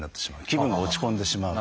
気分が落ち込んでしまう。